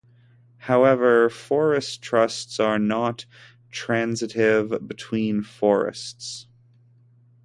However, forest trusts are "not" transitive between forests.